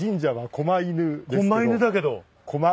こま犬だけど。